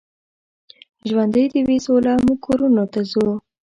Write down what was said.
ژوندۍ دې وي سوله، موږ کورونو ته ځو.